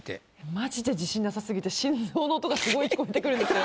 まじで自信なさすぎて心臓の音がすごい聞こえてくるんですよ。